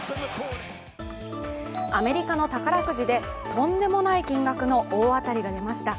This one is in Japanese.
アメリカの宝くじでとんでもない金額の大当たりが出ました。